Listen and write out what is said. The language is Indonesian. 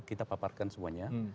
kita paparkan semuanya